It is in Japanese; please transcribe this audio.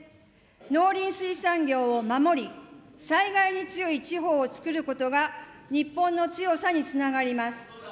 農林水産業を守り、災害に強い地方をつくることが、日本の強さにつながります。